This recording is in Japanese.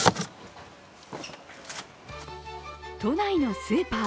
都内のスーパー。